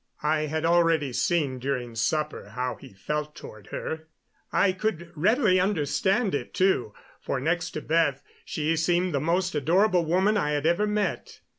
I had already seen, during supper, how he felt toward her; I could readily understand it, too, for, next to Beth, she seemed the most adorable woman I had ever met.